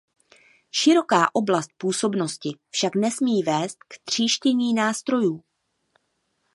Široká oblast působnosti však nesmí vést k tříštění nástrojů.